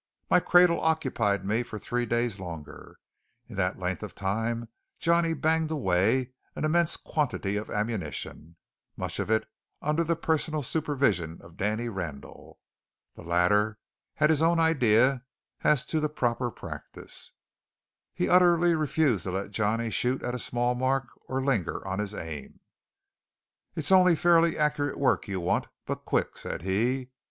My cradle occupied me for three days longer. In that length of time Johnny banged away an immense quantity of ammunition, much of it under the personal supervision of Danny Randall. The latter had his own ideas as to the proper practice. He utterly refused to let Johnny shoot at a small mark or linger on his aim. "It's only fairly accurate work you want, but quick," said he.